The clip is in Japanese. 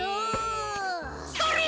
それ！